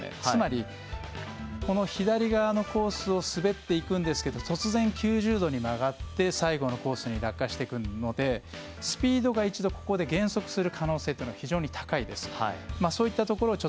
つまり、左側のコースを滑っていくんですけど突然９０度に曲がって最後のコースに落下していくのでスピードが一度減速する可能性が非常に高いです。